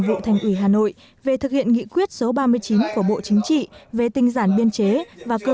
vụ thành ủy hà nội về thực hiện nghị quyết số ba mươi chín của bộ chính trị về tinh giản biên chế và cơ